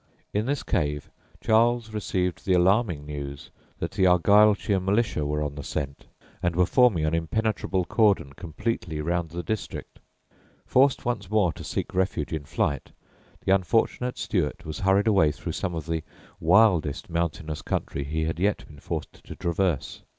In this cave Charles received the alarming news that the Argyllshire Militia were on the scent, and were forming an impenetrable cordon completely round the district. Forced once more to seek refuge in flight, the unfortunate Stuart was hurried away through some of the wildest mountainous country he had yet been forced to traverse.